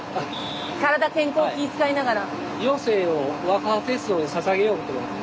体健康気ぃ遣いながら。